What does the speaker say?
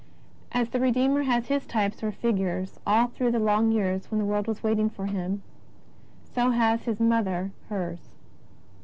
As the Redeemer has His types or figures all through the long years when the world was waiting for Him, so has His Mother hers.